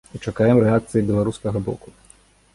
І чакаем рэакцыі беларускага боку.